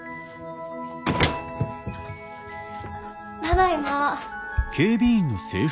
ただいま。